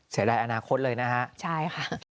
เสียดายอนาคตเลยนะฮะใช่ค่ะ